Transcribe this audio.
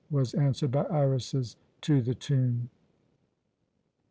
was answered by Iras's "To the tomb!"